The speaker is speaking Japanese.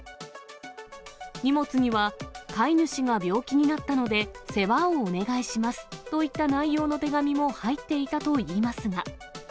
荷物には、飼い主が病気になったので、世話をお願いしますといった内容の手紙も入っていたといいますが。